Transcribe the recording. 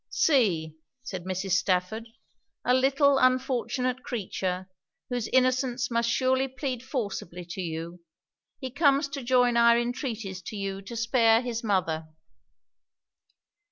'See,' said Mrs. Stafford, 'a little unfortunate creature, whose innocence must surely plead forcibly to you: he comes to join our intreaties to you to spare his mother!'